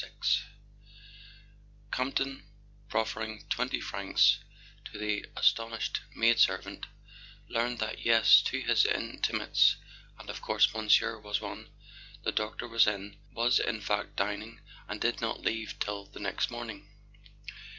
VI AMPTON, proffering twenty francs to an aston ished maid servant, learned that, yes, to his intimates—and of course Monsieur was one ?—the doctor was in, was in fact dining, and did not leave till the next morning.